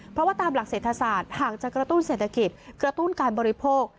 เพราะว่าตามหลักเศรษฐศาสตร์หากจะกระตุ้นเศรษฐกิจกระตุ้นการบริโภค